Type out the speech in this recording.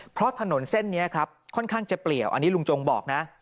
เพราะถนนเส้นนี้ครับค่อนข้างจะเปลี่ยวอันนี้ลุงจงบอกนะ